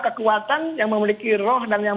kekuatan yang memiliki roh dan yang